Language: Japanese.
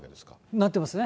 なってますね。